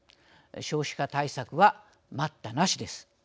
少子化対策は待ったなしです。